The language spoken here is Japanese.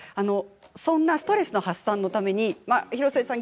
そんなストレス発散のために広末さん